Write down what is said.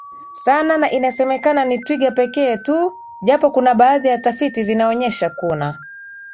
sana na inasemekana ni twiga pekee tu japo kuna baadhi ya tafiti zinaonyesha kuna